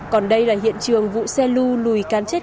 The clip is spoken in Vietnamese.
còn đây là hiện trường vụ xe lưu lùi cán chết